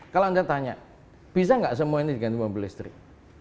kalau anda tanya bisa nggak semua ini diganti mobil listrik